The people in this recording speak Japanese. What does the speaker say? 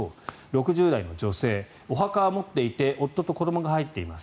６０代の女性お墓は持っていて夫と子どもが入っています。